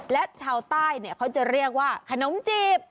และชาวใต้เขาจะเรียกว่าขนมจีบ